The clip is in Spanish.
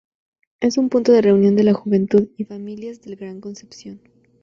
Es un punto de reunión de la juventud y familias del Gran Concepción.